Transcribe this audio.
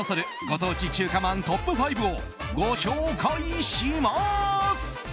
ご当地中華まんトップ５をご紹介します。